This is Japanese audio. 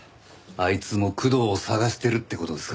あいつも工藤を捜してるって事ですかね？